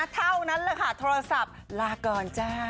เท่านั้นแหละค่ะโทรศัพท์ลาก่อนจ้า